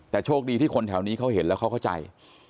แต่โชคดีที่คนแถวนี้เขาเห็นแล้วเขาเข้าใจ